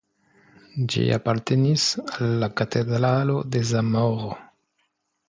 Ĝi apartenis al la Katedralo de Zamoro.